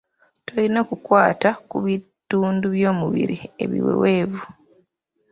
Tolina kukwata ku bitundu by’omubiri ebiweweevu.